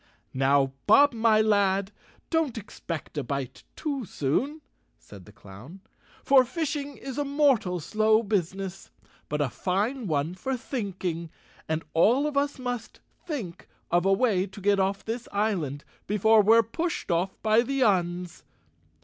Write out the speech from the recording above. "Now, Bob my lad, don't expect a bite too soon," said the clown, "for fishing is a mortal slow business, but a fine one for thinking, and all of us must think of a way to get off this island before we're pushed off by the Uns."